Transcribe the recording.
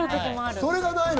それがないの。